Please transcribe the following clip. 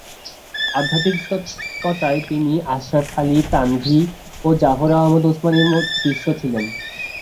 আধ্যাত্মিকতায় তিনি আশরাফ আলী থানভী ও জাফর আহমদ উসমানির শিষ্য ছিলেন।